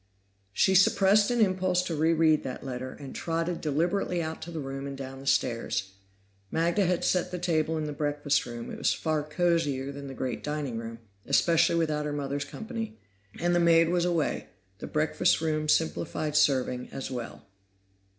She suppressed an impulse to re read that letter, and trotted deliberately out of the room and down the stairs. Magda had set the table in the breakfast room; it was far cozier than the great dining room, especially without her mother's company. And the maid was away; the breakfast room simplified serving, as well.